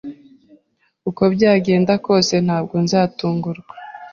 uko byagenda kose, ntabwo nzatungurwa.